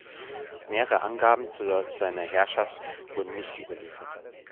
Nähere Angaben zu seiner Herrschaft wurden nicht überliefert.